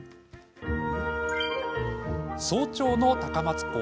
早朝の高松港。